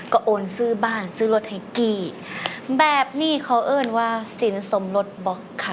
ก็โอนซื้อบ้านซื้อรถแท็กซี่แบบนี้เขาเอิ้นว่าสินสมรสบล็อกค่ะ